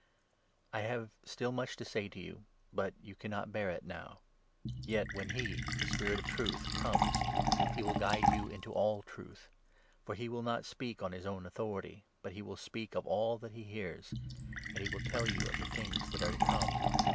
I have still much to say to you, but you 12 cannot bear it now. Yet when he — the Spirit of Truth — 13 comes, he will guide you into all Truth ; for he will not speak on his own authority, but he will speak of all that he hears ; and he will tell you of the things that are to come.